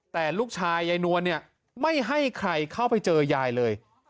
แต่ลูกชายยายนวลเนี่ยไม่ให้ใครเข้าไปเจอยายเลย